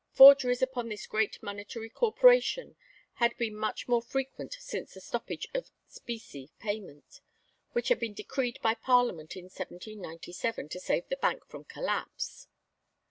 Forgeries upon this great monetary corporation had been much more frequent since the stoppage of specie payments, which had been decreed by Parliament in 1797 to save the Bank from collapse.